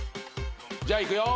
じゃあいくよ。